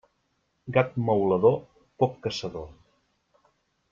Gat maulador, poc caçador.